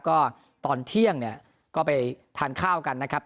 ก็ตอนเที่ยงเนี่ยก็ไปทานข้าวกันนะครับ